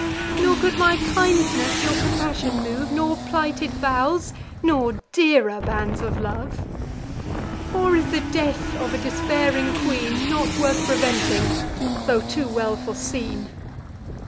Nor could my kindness your compassion move. Nor plighted vows, nor dearer bands of love? Or is the death of a despairing queen Not worth preventing, tho' too well foreseen?